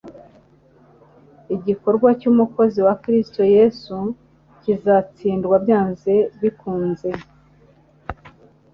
igikorwa cy'umukozi wa Kristo Yesu kizatsindwa byanze bikunze.